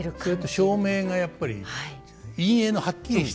照明がやっぱり陰影のはっきりした。